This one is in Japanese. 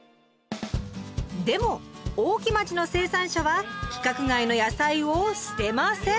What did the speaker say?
でも大木町の生産者は規格外の野菜を捨てません！